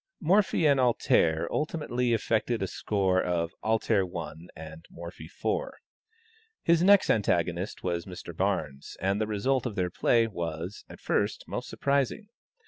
Morphy and "Alter" ultimately effected a score of "Alter" 1, and Morphy 4. His next antagonist was Mr. Barnes, and the result of their play was, at first, most surprising.